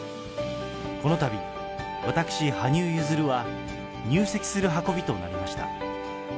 このたび、私、羽生結弦は入籍する運びとなりました。